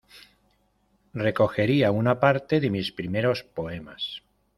Recogería una parte de mis primeros poemas.